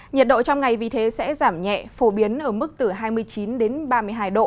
nhiệt độ trong ngày vì thế sẽ giảm nhẹ phổ biến ở mức từ hai mươi chín đến ba mươi hai độ